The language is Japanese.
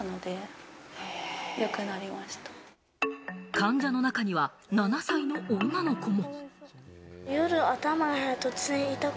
患者の中には７歳の女の子も。